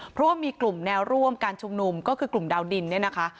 เพราะว่ามีกลุ่มแนวร่วมการชุมนุมก็คือกลุ่มดาวดินเนี่ยนะคะ